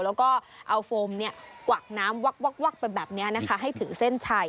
แล้วก็เอาโฟมกวักน้ำวักไปแบบนี้นะคะให้ถึงเส้นชัย